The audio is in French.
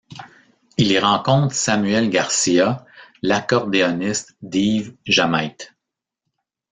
Il y rencontre Samuel Garcia, l'accordéoniste d'Yves Jamait.